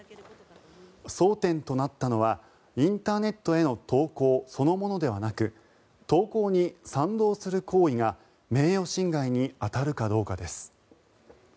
争点となったのはインターネットへの投稿そのものではなく投稿に賛同する行為が名誉侵害に当たるかどうかです。